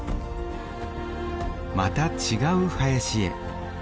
また違う林へ。